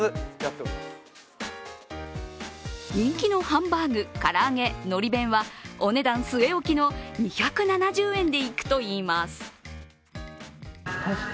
しかし人気のハンバーグ、から揚げ、のり弁はお値段据え置きの２７０円でいくといいます。